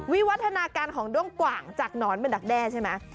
วิวัฒนาการของด้วงกว่างจากหนอนเป็นดักแด้ใช่ไหม